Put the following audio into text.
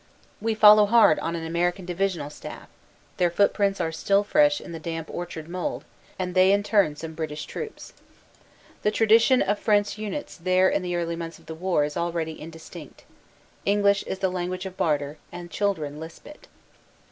We follow hard on an American divisional staff their footprints are still fresh in the damp orchard mould and they in turn some British troops. The tradition of French Units there in the early months of the war is already indistinct. English is the language of barter and children lisp it.